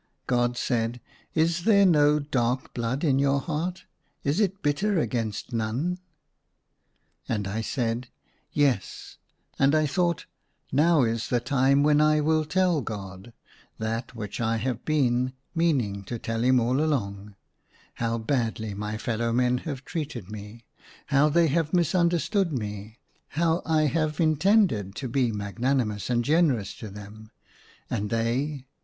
God said, "Is there no dark blood in your heart ; is it bitter against none ?" And I said, "Yes— —"; and I thought —" Now is the time when I will tell God, that which I have been, meaning to tell him all along, how badly my fellow men have treated me. How they have misunderstood me. How I have intended to be magnani mous and generous to them, and they